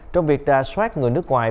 trong việc rà soát người nước ngoài